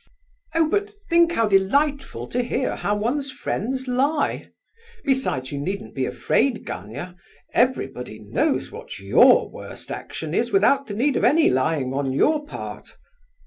"Oh, but think how delightful to hear how one's friends lie! Besides you needn't be afraid, Gania; everybody knows what your worst action is without the need of any lying on your part.